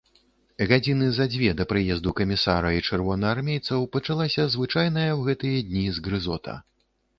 Гадзіны за дзве да прыезду камісара і чырвонаармейцаў пачалася звычайная ў гэтыя дні згрызота.